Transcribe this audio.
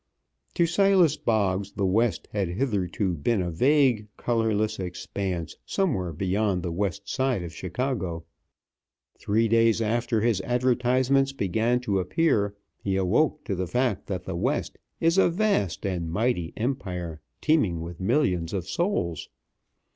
To Silas Boggs the West had theretofore been a vague, colorless expanse somewhere beyond the West Side of Chicago. Three days after his advertisements began to appear, he awoke to the fact that the West is a vast and mighty empire, teeming with millions of souls.